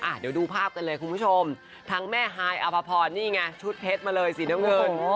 เดี๋ยวดูภาพกันเลยคุณผู้ชมทั้งแม่ฮายอภพรนี่ไงชุดเพชรมาเลยสีน้ำเงิน